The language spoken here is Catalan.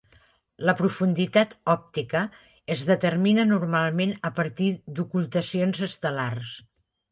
La profunditat òptica es determina normalment a partir d'ocultacions estel·lars.